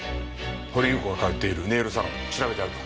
掘祐子が通っているネイルサロン調べてあるか？